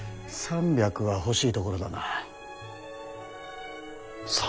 ３００は欲しいところだな。